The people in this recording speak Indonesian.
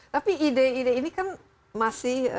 tapi ide ide ini kan masih